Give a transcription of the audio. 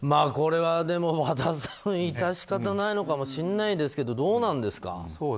これは、でも和田さん致し方ないのかもしれないですけどどうなんですか。